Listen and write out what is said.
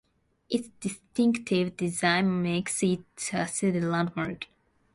Its distinctive design makes it a city landmark.